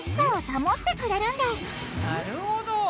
なるほど。